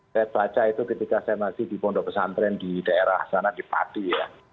saya baca itu ketika saya masih di pondok pesantren di daerah sana di padi ya